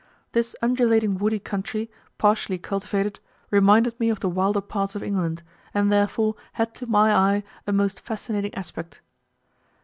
This undulating woody country, partially cultivated, reminded me of the wilder parts of England, and therefore had to my eye a most fascinating aspect.